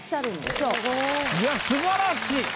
すごい。いやすばらしい！